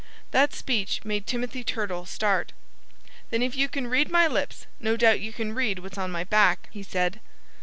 That speech made Timothy Turtle start. "Then if you can read my lips, no doubt you can read what's on my back," he said.